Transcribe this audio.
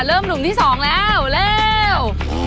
เริ่มหลุมที่สองแล้วเร็ว